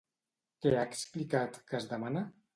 Què ha explicat que es demana?